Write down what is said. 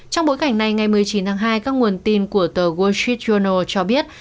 trong bối cảnh này ngày một mươi chín tháng hai các nguồn tin của tờ wall street journal cho biết